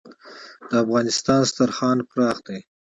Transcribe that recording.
د افغانستان دسترخان پراخ دی